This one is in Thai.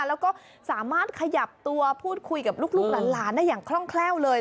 แล้วก็สามารถขยับตัวพูดคุยกับลูกหลานได้อย่างคล่องแคล่วเลย